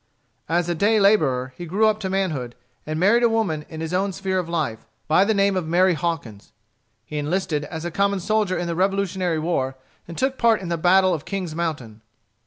As a day laborer he grew up to manhood, and married a woman in his own sphere of life, by the name of Mary Hawkins. He enlisted as a common soldier in the Revolutionary War, and took part in the battle of King's Mountain.